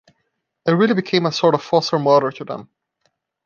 I really became a sort of foster mother to them.